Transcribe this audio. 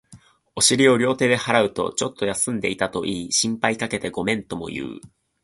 お尻を両手で払うと、ちょっと休んでいたと言い、心配かけてごめんとも言う